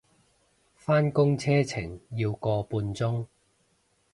返工車程要個半鐘